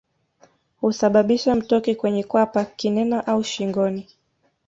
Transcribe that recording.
Husababisha mtoki kwenye kwapa kinena au shingoni